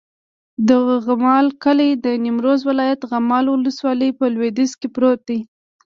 د غمال کلی د نیمروز ولایت، غمال ولسوالي په لویدیځ کې پروت دی.